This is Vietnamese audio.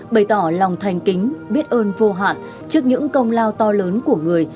bày tỏ lòng thành kính biết ơn vô hạn trước những công lao to lớn của người